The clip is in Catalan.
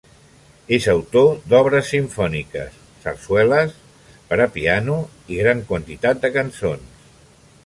És autor d'obres simfòniques, sarsueles, per a piano i gran quantitat de cançons.